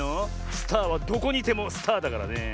スターはどこにいてもスターだからねえ。